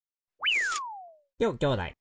ようきょうだい。